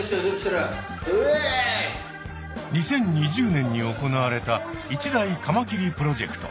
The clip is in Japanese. ２０２０年に行われた一大カマキリプロジェクト。